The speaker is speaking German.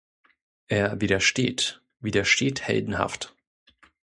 Er widersteht, widersteht heldenhaft.